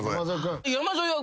山添は。